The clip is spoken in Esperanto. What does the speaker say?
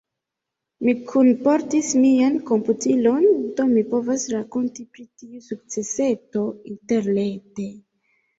Mi kunportis mian komputilon, do mi povas rakonti pri tiu sukceseto interrete.